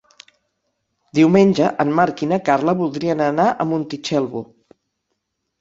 Diumenge en Marc i na Carla voldrien anar a Montitxelvo.